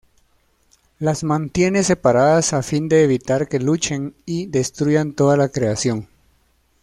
Las mantiene separadas a fin de evitar que luchen y destruyan toda la creación.